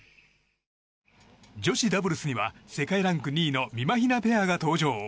女子ダブルスには世界ランク２位のみまひなペアが登場。